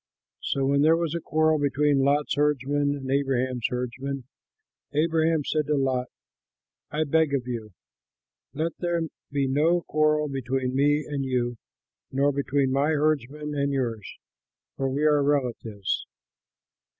So when there was a quarrel between Lot's herdsmen and Abraham's herdsmen, Abraham said to Lot, "I beg of you, let there be no quarrel between me and you, nor between my herdsmen and yours, for we are relatives.